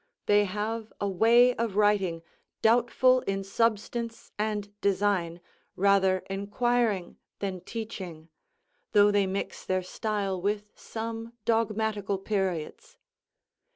They have a way of writing, doubtful in substance and design, rather inquiring than teaching, though they mix their style with some dogmatical periods.